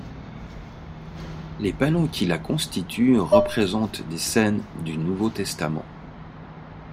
Les panneaux qui la constituent représentent des scènes du Nouveau Testament.